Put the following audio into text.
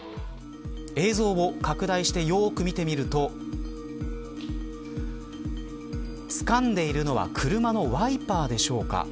映像を拡大してよく見てみるとつかんでいるのは車のワイパーでしょうか。